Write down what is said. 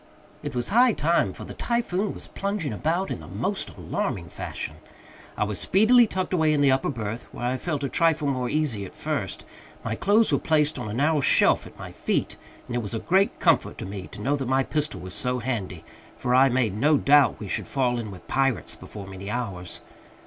It was high time, for the Typhoon was plunging about in the most alarming fashion. I was speedily tucked away in the upper berth, where I felt a trifle more easy at first. My clothes were placed on a narrow shelf at my feet, and it was a great comfort to me to know that my pistol was so handy, for I made no doubt we should fall in with Pirates before many hours.